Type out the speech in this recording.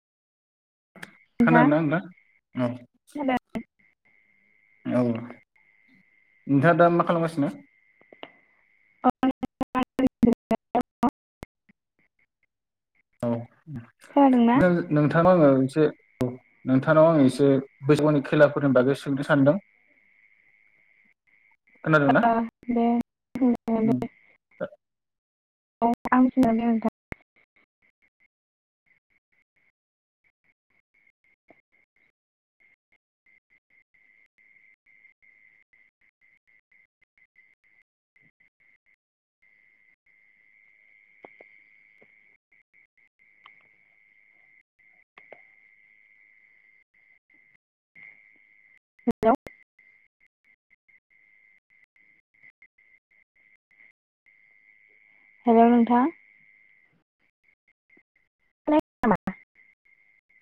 खोनादों नोंथां ना नोंथां औ औ नोंथाङा दा मा खालामगासिनो? [unintelligible] औ खोनादोंना नो-नोंथाङा आङो एसे नोंथांनाव आं एसे बैसागुनि खेलाफोरनि बागै सोंनो सानदों? [inaudible] खोनादोंना? दे बुं दे [unintelligible] दे नोंथां। हेल'? हेल' नोंथां? खोनाखै नामा